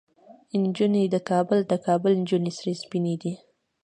نجونه د کابل، د کابل نجونه سرې او سپينې دي